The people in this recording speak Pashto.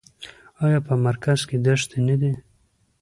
آیا په مرکز کې دښتې نه دي؟